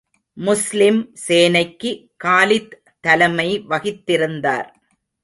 முஸ்லிம் சேனைக்கு காலித் தலைமை வகித்திருந்தார்.